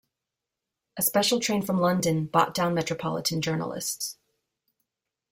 A special train from London bought down metropolitan journalists.